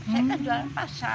saya kejualan pasar